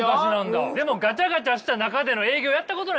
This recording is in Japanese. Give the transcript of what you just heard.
でもガチャガチャした中での営業やったことないでしょ？